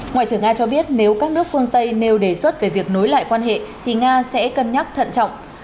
ngoại trưởng nga cho biết nếu các nước phương tây nêu đề xuất về việc nối lại quan hệ thì nga sẽ cân nhắc thận trọng